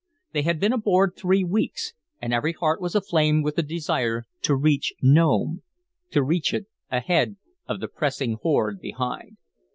They had been aboard three weeks and every heart was aflame with the desire to reach Nome to reach it ahead of the pressing horde behind.